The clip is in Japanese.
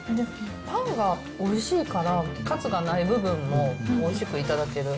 パンがおいしいから、カツがない部分も、おいしく頂ける。